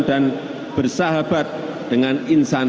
dan bersahabat dengan insan pers